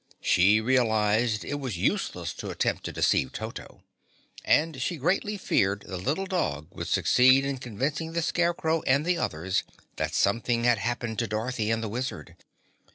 She realized it was useless to attempt to deceive Toto, and she greatly feared the little dog would succeed in convincing the Scarecrow and the others that something had happened to Dorothy and the Wizard.